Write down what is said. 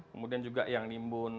kemudian juga yang menimbun